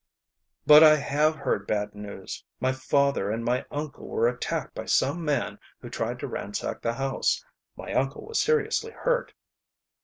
"But I have heard bad news. My father and my uncle were attacked by some man who tried to ransack the house. My uncle was seriously hurt."